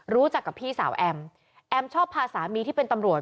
รู้จักกับพี่สาวแอมแอมชอบพาสามีที่เป็นตำรวจ